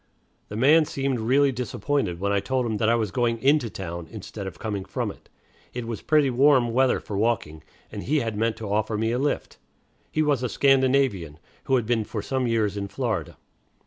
The man seemed really disappointed when I told him that I was going into town, instead of coming from it. It was pretty warm weather for walking, and he had meant to offer me a lift. He was a Scandinavian, who had been for some years in Florida.